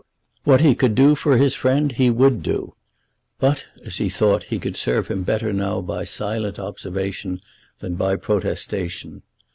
What he could do for his friend he would do; but, as he thought, he could serve him better now by silent observation than by protestation.